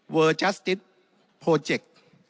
เวิร์ดจัสติธโปรเจค